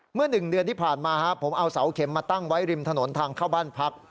เมื่อ๑เดือนที่ผ่านมาผมเอาเสาเข็มมาตั้งไว้ริมถนนทางเข้าบ้านพัก